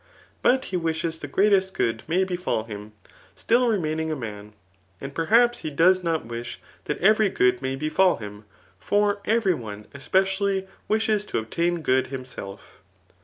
But he wished the greatest good may befal him, still remaining a man. And peiiiaps he does not wish that every good may befal him ; for every one especially wishes to obtsun good himself.